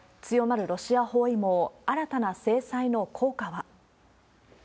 強まるロシア包囲網、新たな制裁の効果は。